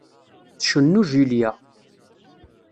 Tcennu Julia.